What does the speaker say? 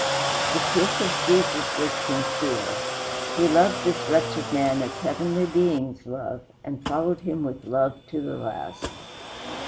The kiss of Jesus was sincere; he loved this wretched man as heavenly beings love, and followed him with love to the last.